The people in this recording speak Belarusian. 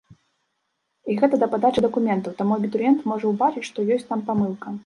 І гэта да падачы дакументаў, таму абітурыент можа ўбачыць, што ёсць там памылка.